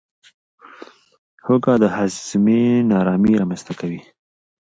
هوږه د هاضمې نارامي رامنځته کوي.